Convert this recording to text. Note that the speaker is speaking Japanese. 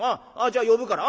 じゃあ呼ぶから。